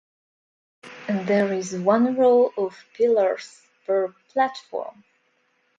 There is one row of pillars per platform.